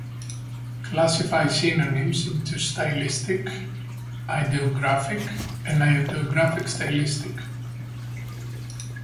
Classify synonyms into stylistic, ideographic and ideographic-stylistic.